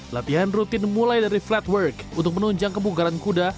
latihan rutin mulai dari flat work untuk menunjang kebugaran kuda